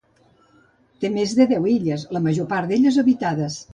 Té més de deu illes, la major part d'elles habitades.